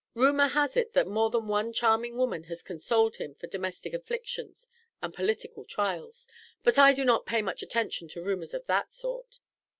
Rumor has it that more than one charming woman has consoled him for domestic afflictions and political trials, but I do not pay much attention to rumours of that sort.